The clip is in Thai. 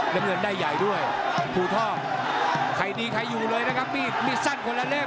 น้ำเงินได้ใหญ่ด้วยภูทองใครดีใครอยู่เลยนะครับมีดมีดสั้นคนละเล่ม